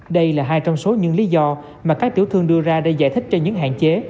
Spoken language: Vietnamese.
đây là hai trong số những lý do mà các tiểu thương đưa ra để giải thích cho những hạn chế